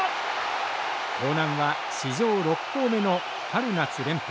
興南は史上６校目の春夏連覇。